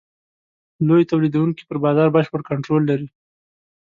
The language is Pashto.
لوی تولیدوونکي پر بازار بشپړ کنټرول لري.